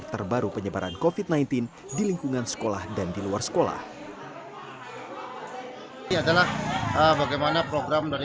terkait perkembangan perkembangan setiap harinya ya terkait covid sembilan belas ini